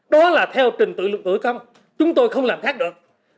đó là theo trình tự luận tử công chúng tôi không làm khác được